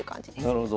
なるほど。